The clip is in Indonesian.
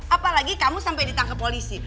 apalagi kamu sampai ditangkap polisi